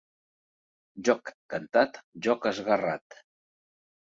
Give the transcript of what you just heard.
Joc cantat, joc esguerrat.